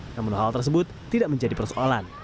namun hal tersebut tidak menjadi persoalan